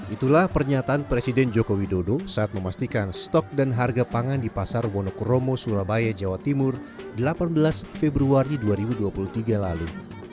itulah pernyataan presiden joko widodo saat memastikan stok dan harga pangan di pasar wonokromo surabaya jawa timur delapan belas februari dua ribu dua puluh tiga lalu